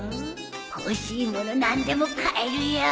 欲しい物何でも買えるよ